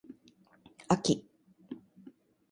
あき